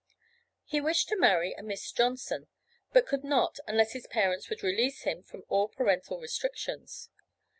He wished to marry a Miss Johnson, but could not unless his parents would release him from all parental restrictions.